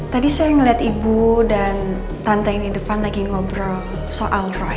tadi saya melihat ibu dan tante yang di depan lagi ngobrol soal roy